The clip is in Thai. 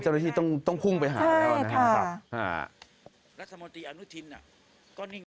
เจ้าหน้าที่ต้องพุ่งไปหาแล้วนะคะ